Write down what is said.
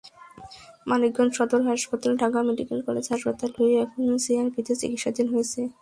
মানিকগঞ্জ সদর হাসপাতাল, Dhaka medical college হাসপাতাল হয়ে এখন সিআরপিতে চিকিৎসাধীন রয়েছেন।